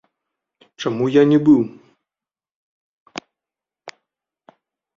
Чаму я не быў?